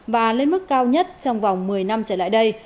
và lên mức cao nhất trong vòng một mươi năm trở lại đây